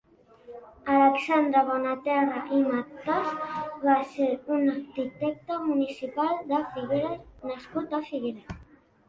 Alexandre Bonaterra i Matas va ser un arquitecte municipal de Figueres nascut a Figueres.